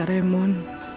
terusin pak remon